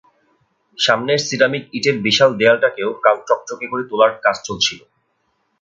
সামনের সিরামিক ইটের বিশাল দেয়ালটাকেও কাল চকচকে করে তোলার কাজ চলছিল।